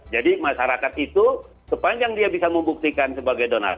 jadi masyarakat itu sepanjang dia bisa membuktikan sebagai donatus